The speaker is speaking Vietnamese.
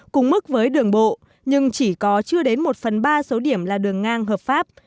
cùng mức với đường bộ nhưng chỉ có chưa đến một phần ba số điểm là đường ngang hợp pháp